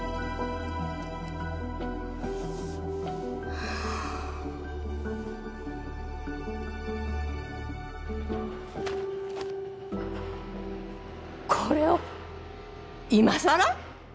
はあこれを今さら？